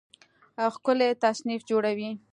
ښکلی تصنیف جوړوي